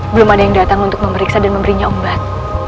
belum ada yang datang untuk memeriksa dan memberinya obat